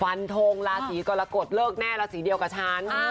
ฟันทงลาศรีกรกฎเลิกแน่ละสีเดียวกับฉัน